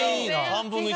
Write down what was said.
３分の１。